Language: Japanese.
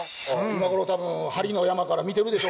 今頃多分針の山から見てるでしょう。